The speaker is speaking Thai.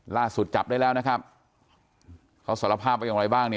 จับได้แล้วนะครับเขาสารภาพว่าอย่างไรบ้างเนี่ย